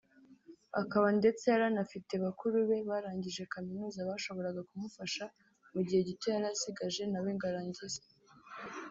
akaba ndetse yari anafite bakuru be barangije kaminuza bashoboraga kumufasha mu gihe gito yari asigaje nawe ngo arangize